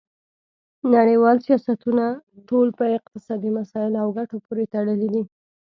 نړیوال سیاستونه ټول په اقتصادي مسایلو او ګټو پورې تړلي دي